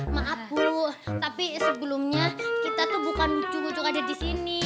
maaf bu tapi sebelumnya kita tuh bukan cucu cucu yang ada disini